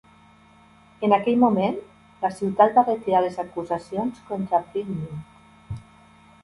En aquell moment, la ciutat va retirar les acusacions contra Print Mint.